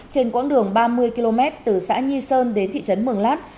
trên quãng đường ba mươi km từ xã nhi sơn đến thị trấn mường lát